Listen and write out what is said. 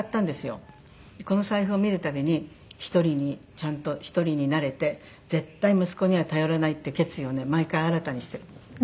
この財布を見るたびに１人にちゃんと１人になれて絶対息子には頼らないっていう決意をね毎回新たにしてる。